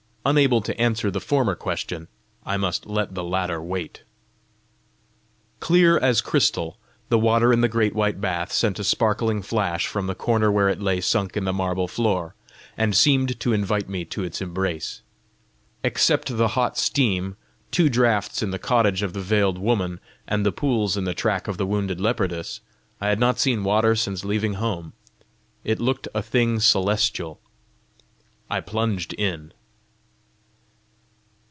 Unable to answer the former question, I must let the latter wait! Clear as crystal, the water in the great white bath sent a sparkling flash from the corner where it lay sunk in the marble floor, and seemed to invite me to its embrace. Except the hot stream, two draughts in the cottage of the veiled woman, and the pools in the track of the wounded leopardess, I had not seen water since leaving home: it looked a thing celestial. I plunged in.